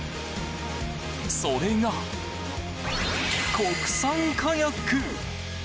それが、国産カヤック。